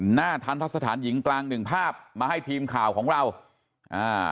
ทันทะสถานหญิงกลางหนึ่งภาพมาให้ทีมข่าวของเราอ่า